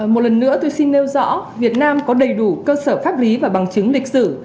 một lần nữa tôi xin nêu rõ việt nam có đầy đủ cơ sở pháp lý và bằng chứng lịch sử